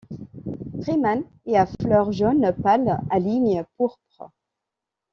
Freeman est à fleur jaune pâle à lignes pourpres.